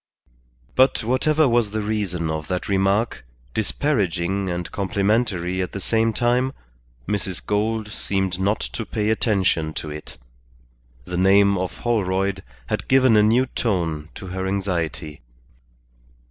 But whatever was the reason of that remark, disparaging and complimentary at the same time, Mrs. Gould seemed not to pay attention to it. The name of Holroyd had given a new tone to her anxiety.